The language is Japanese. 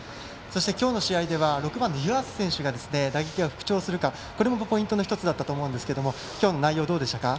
今日の試合では６番の湯浅選手打撃が復調するかこれもポイントの１つだったと思うんですが今日の内容はどうでしたか？